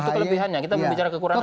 itu kelebihannya kita bicara kekurangannya